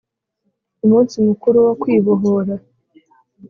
Umunsi Mukuru wo Kwibohora.